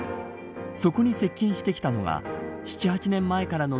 そこに接近してきたのは７、８年前からの